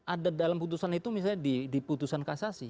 ada dalam putusan itu misalnya di putusan kasasi